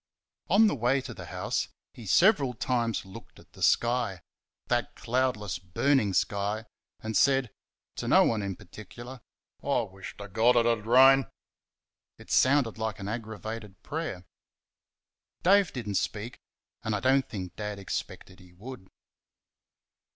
On the way to the house he several times looked at the sky that cloudless, burning sky and said to no one in particular, "I wish to God it would rain!" It sounded like an aggravated prayer. Dave did n't speak, and I don't think Dad expected he would.